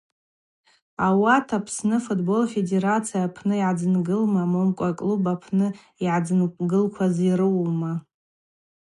Ауат Апсны афутбол афедерация апны йгӏадзынгылма момкӏва аклуб апны йгӏадзынгылкваз йрыуума?